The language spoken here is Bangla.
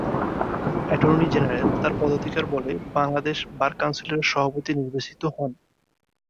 অ্যাটর্নি জেনারেল তার পদাধিকার বলে বাংলাদেশ বার কাউন্সিলের সভাপতি নির্বাচিত হন।